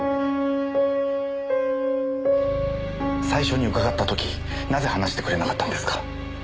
最初に伺った時なぜ話してくれなかったんですか？